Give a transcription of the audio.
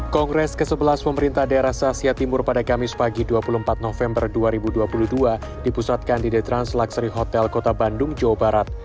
kongres ke sebelas pemerintah daerah asia timur pada kamis pagi dua puluh empat november dua ribu dua puluh dua dipusatkan di the transluxury hotel kota bandung jawa barat